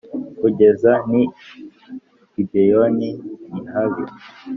kugeza n i Gibeyoni nihabi